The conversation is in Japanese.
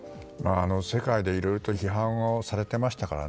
世界でいろいろと批判をされていましたからね。